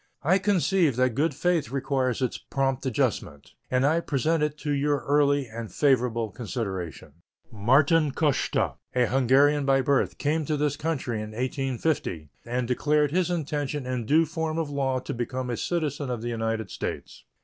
I conceive that good faith requires its prompt adjustment, and I present it to your early and favorable consideration. Martin Koszta, a Hungarian by birth, came to this country in 1850, and declared his intention in due form of law to become a citizen of the United States.